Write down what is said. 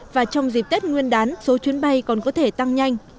và trong dịp tết nguyên đán số chuyến bay còn có thể tăng nhanh